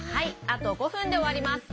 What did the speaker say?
あと５ふんでおわります。